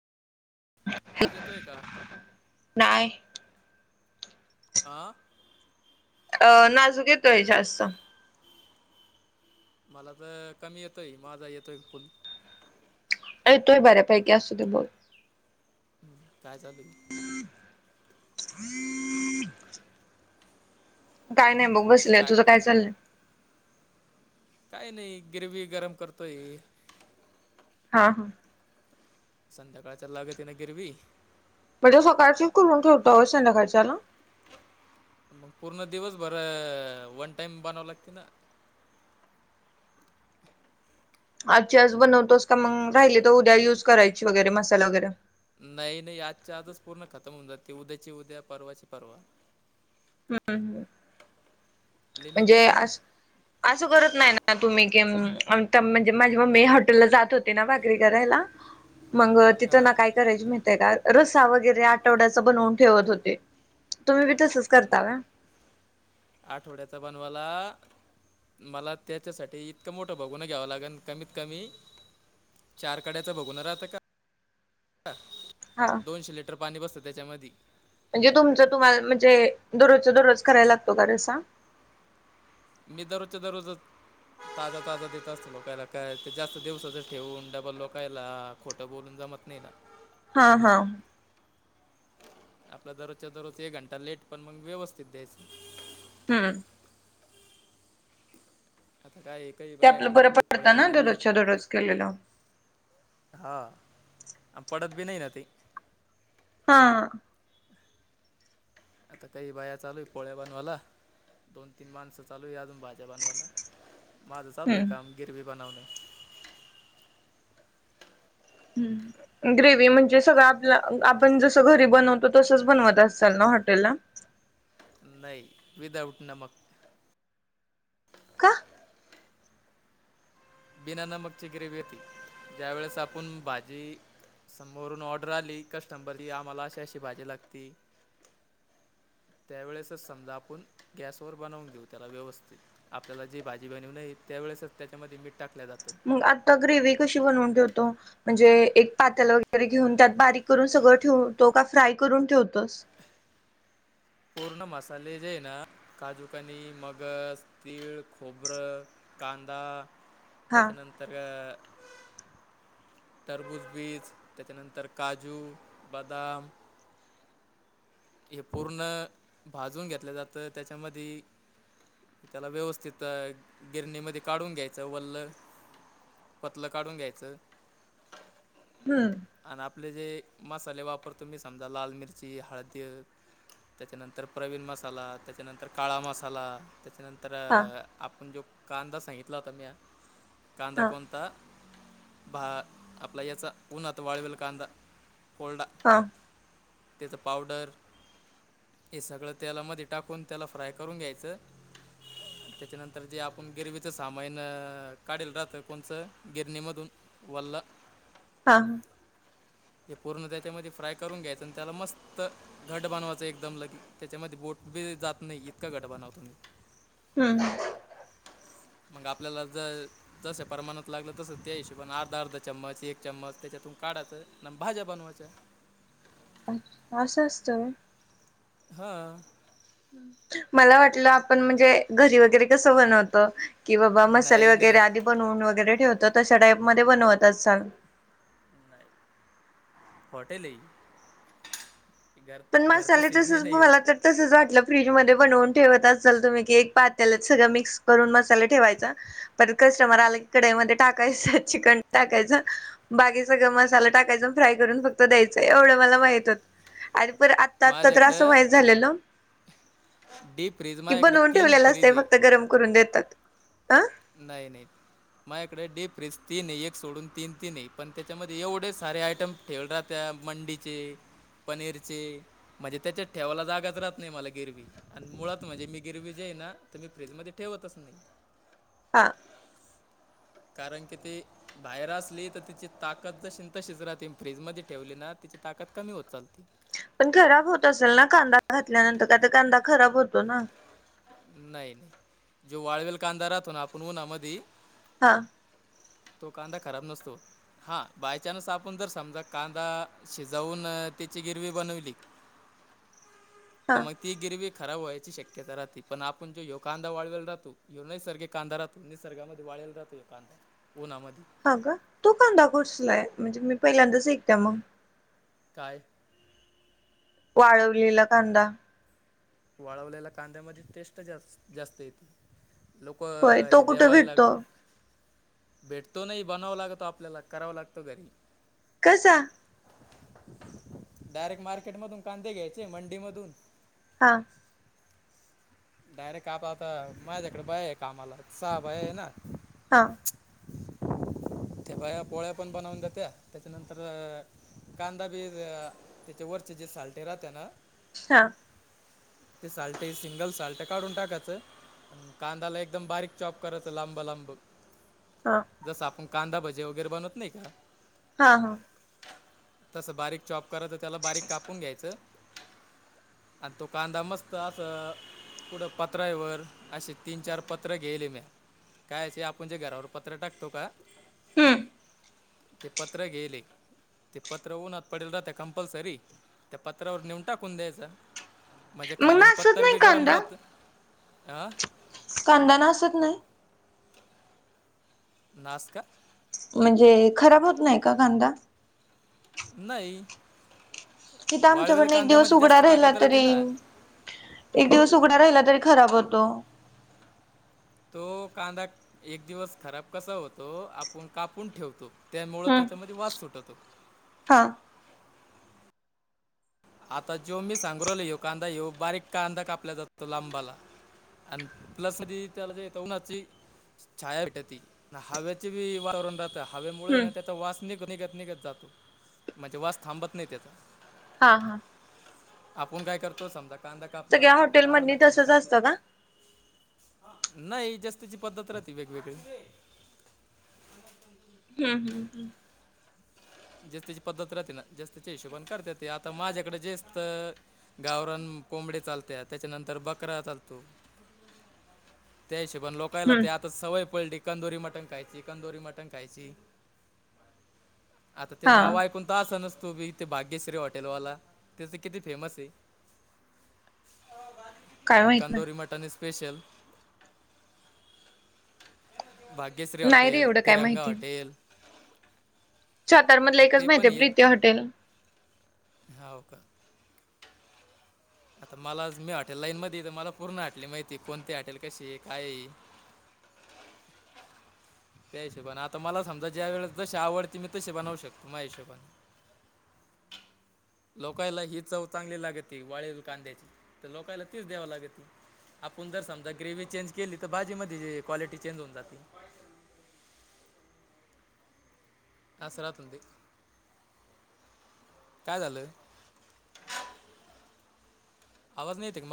आवाज येतोय का? नाहीय आं अ नाजूक येतोय जास्त मला तर कमी येतोय माझा येतोय फुल येतोय बऱ्यापैकी असू दे बोल ह् काय चालूय काय नाही बघ बसले तुझं काय चाललंय काही नाही ग्रेवी गरम करतोय हा हा संध्याकाळच्या लाग तने गिरवी म्हणजे सकाळची संध्याकाळच्याला मग पूर्ण दिवस बरं वन टाइम बनवं लागते ना आज आज बनवतोस का मग राहिले तर उद्या युज करायची वगैरे मसाला वगैरे नाही नाही आजच्या आजच पूर्ण खतम होऊन जाते उद्याची उद्या परवाची परवा हम्मम हम् लिमिट आहे म्हणजे ना अस असं करत नाही ना तुम्ही क आ म्हणजे माझी मम्मी हॉटेलला जात हो भाकरी करायला मंग तिथं हां ना काय रस्सा वगैरे आठवड्याचा करून ठेवायची तुम्ही पण तसंच करायचा का नाही आठवड्याचा बनवाला मला त्याच्यासाठी इतकं मोठं बघून घ्यावं लागेल कमीत कमी चार कड्याच बघून राहत का हा दोनशे लिटर पाणी बसतं त्याच्यामध्ये म्हणजे तुमचं तुम्हाला म्हणजे दररोज दररोज करायला लागतो का रसा मी दररोजच्या दररोजच ताजा ताजा देत असतो लोकायला काय ते जास्त दिवसाच ठेवून डबल लोकायला खोटं बोलून जमत नाही ना हा हा आपल्या दररोजच्या दररोज एक घंटा लेट पण मग व्यवस्थित द्यायचं. हम्म आता काय एक ते आपलं बरं पडतं ना दररोजच्या दररोज केलेलं. हा आ पडत बी नाही नती. हा आता काही बाया चालूय पोळ्या बनवाला दोन तीन माणसं चालू या अजून बाज- माझ्या बनवाला माझं चालू आहे हम्म काम गिरवी बनवणे. हम्म. ग्रेव्ही म्हणजे सगळं आपलं आपण जसं घरी बनवतो. नाही विदाउट नमक का? बिना नमकची ग्रेवी होती ज्यावेेळेस आपण भाजी समोरून ऑर्डर आली कस्टमरला आम्हाला अशी अशी भाजी लागते त्यावेेळेसच समजा आपण गॅसवर बनवून देऊ त्याला व्यवस्थित आपल्याला जी भाजी बनवू नय त्यावेेळेसच त्याच्यामध्ये मीठ टाकल्या जातं. मग आता ग्रेव कशी बनवून ठेवतो. म्हणजे एक पात्याला वगैरे घेऊन त्यात बारीक करून सगळं ठेव तो का फ्राय करून ठेवतोस. पूर्ण मसाले जे आहे ना काजूकनी मगज तीळ खोबरं- कांदा हा त्याच्यानंतर तरबूजबीज त्याच्यानंतर काजू बदाम- हे पूर्ण भाजून घेतलं जातं त्याच्यामध्ये त्याला व्यवस्थित गिरणीमध्ये काढून घ्यायचं वल्ल पतलं काढून घ्यायचं. हम्म. आणि आपले जे मसाले वापरतो म्ी समजा लाल मिरची हळदी त्याच्यानंतर प्रवीण मसाला त्याच्यानंतर काळा मसाला त्याच्यानंतर. हा तर आपण जो कांदा सांगितला होता मी कांदा हा कोणता? बा आपला याचा उन्हात वाळवेल कांदा फल्डा- हा. त्याचां पावडर हे सगळं तेलामध्ये टाकून त्याला फ्राय करून घ्यायचं. त्याच्यानंतर जे आपण गिरवीचं सामान काढल राहतं कोणचं गिरणीमधून. वल हा हा. हे पूर्ण त्या त्यामध्ये फ्राय करून घ्यायचं आणि त्याला मस्त घट बनवायचं एकदम लगे त्याच्यामध्ये बोट बी जात नाही इतका घट बनवतोम म्ही हम्. मग आपल्याला जर. जस परमाणत लागलं तस त्या हिशोबने अर्धा अर्धा चम्मच एक चम्मच त्याच्यातून काढायचं. न भाजा बनूवाच्या आहे. अच्छ असं अस. हा. मला वाटलं आपण म्हणजे घरी वगैरे कस बनवत. कि बाबा मसाले नाही नाही वगैरे आधी बनवून वगैरे ठेवतो तशा टाईप मध्ये बनवत अस ल. नाही फॉटेल. पण मग ले तसच म मला तर तसच वाटलं फ्रीज मध्ये बनवून ठेवत असल तुम्ही क एक पात्यालाच सगं मिक्स करून मसाले ठेवायचा परत कस्टमर आला कडईमध्ये टाकायचं चिकन टाकायचं. बाकी सगळं मसाला टाकायचा फ्राय करून फक्त द्यायचं एवढं मला माहित होत. अरे पर आत्ता आता तर्र असं माझ्याकडं व्हायच झालेलं. डीप फ्रीज कि माझ्याकडे बनवून तीन ठेवलेलं असत फ्रीज आहे फक्त गरम करून देतात अं. नाही नाही. माझ्याकडे डीप रेस तीन आहे एक सोडून तीन तीन आहे पण त्याच्यामध्ये एवढे सारे आयटम. ठेव राह त्या मंडीची पनीरची म्हणजे त्याच्यात ठेवायला जागाच राहत नाही मला गिरवी आणि मुळात म्हणजे मी गिरवी जीआहे ना तर मी फ्रीज मध्ये ठेवतच नाही हा ह कारण की ती बाहेर असली तर तिची ताकद ज त शिज रा ती फ्रीजमध्ये ठेवली ना तिची ताकद कमी होत लते पण खराब होत असेल ना कांदा घातल्यानंतर काय तर कांदा खराब होतो ना नाही नाही जो वाळवेल कांदा राहतो ना आपण हो ना मधी हां. तो कांदा खराब नसतो. हा बायचान्स आपण जर समजा कांदा शिजवून त्याची गिरवी बनवली. हा तर मग ती गिरवी खराब व्हायची शक्यता राहती. पण आपण जो हो कांदा वाळवेला राहतो यो नाही सर्गे कांदा राहो निसर्गामध्ये वाळेला राहो कांदा उन्हामध्ये हा का तू कांदा कुर्सलाय म्हणजे मी पहिल्यांदाच एकते मग काय वाळवलेला कांदा वाळवलेल्या कांद्यामध्ये टेस्ट जास् जास्त येते लोक होय तो कुठे जेवायला भेटतो भेटतो नाही बनावं लागतो आपल्याला करावा लागतो घरी कसां डायरेक्ट मार्केट मधून कांदे घ्यायचे मंडी मधून हां डायरेक्ट आप आता माझ्याकडे भय आहे कामाला स भय आहे ना हां ते बाया पोळ्या पण बनवून जात्या त्याच्यानंतर कांदा बी त्याच्या वरचे जे सालठे राहत ना अच्छा ते चालटे सिंगल साल्ट काढून टाकायचं कांदाला एकदम बारीक चॉप कराच लांब लांब हा जस आपण कांदा भजे वगैरे बनवत नाही का हा हा तसं बारीक चॉप करायच त्याला बारीक कापून घ्यायचं आणि तो कांदा मस्त असं पुढं पत्रावर असे तीन चार पत्र गेले मी कायचे आपण जे घरावर पत्र टाकतो का हम्म ते पत्र गेले ते पत्र ऊन्हत पडेल राहते कंपल्सरी त्या पत्रावर नेऊन टाकून द्यायचं म्हणजे मग खालीम नासत पत्थर नाही बी गरम कांदा राहत अ कांदा नासत नाही नास्क म्हणजे खराब होत नाही का कांदा नाही इथं वाळवेल आमच्याकडन एक दिवस कांद्यामध्ये उघडा जास्त राहिला ताकद तरी राहते ना एक दिवस उघड राहिला तरी खराब होतो. तो कांदा एक दिवस खराब कसा होतो आपण कापून ठेवतो. त्यामुळं त्याच्यामध्ये वास सुटत हो हां आता जो मी सांगरल ये कांदा येऊ बारीक कांदा कापला जातो लांब वाला आणि प्लसमध्ये त्यालाेतऊ नाची छाया आहे का ती हव्याचे बी वातावरण राहत. हवेमुळे हम्म ना त्याचा वास निघ, निघत, निघत जातो. म्हणजे वास थांबत नाही त्याचा हा हा. आपण काय करतो समजा कांदा कापला सगळ्या आता अर्धा हॉटेलमधनी कांदा तसच कापला असतं का नाही ज्याची त्याची पद्धत राहती वेगवेगळे हम्म, हम्म, हम्म. ज्याची त्याची पद्धत राहते ना त्याच्या त्याच्या हिशोबने करत्या ते आता माझ्याकडे जास्त गावरान कोंबडे चालत्या त्याच्यानंतर बकरा चालतो त्या हिशोबण लोकायला हम्म ते आता सवय पडली कंदोरी मटन खायची कंदोरी मटण खायची आता ते हा नाव ऐकून तर असं नसतो बी थे भाग्यश्री हॉटेलवाला त्याच किती फेमस आहे. काय माहित कांंदोरी नाही मटन स्पेशल भाग्यश्री नाही रे हॉटेल एवढं काय तिरंगा माहिती हॉटेल सातार मधलं एकच ते माहिती आहे प्रीतीया हॉटेल हव का आता मला मी हॉटेल लाईन मध्ये मला पूर्ण हाॅटेली माहिती कोणते हाॅटेल कशी आहे, काय आहे. त्या हिशोबने आता मला समजा ज्या वेळेस जसे आवडते मी तसे बनवू शकतो मा हिशोबने. लोकायला ही चव चांगली लागती वाळेल कांद्याची तर लोकायला तीच द्याव लागती. आपण जर समजा ग्रेव्ही चेंज केली तर भाजी मध्ये क्वालिटी चेंज हुन जाती. अस राहतं ते काय झालंय? आवाज नाही येत? मा